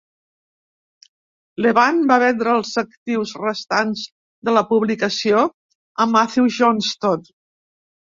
Levant va vendre els actius restants de la publicació a Matthew Johnston.